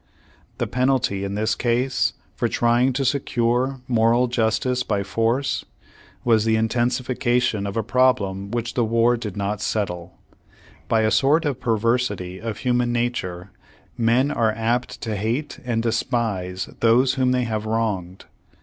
The penalty in this case for trying to secure moral justice by force, was the intensification of a problem which the war did not settle. By a sort of perversity of human nature, men are apt to hate and despise those whom they have wronged.